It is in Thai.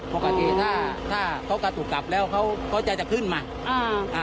ปกติถ้าเขากระตุกกลับแล้วเขาก็จะขึ้นมา